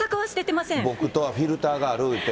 僕とはフィルターがある言うて。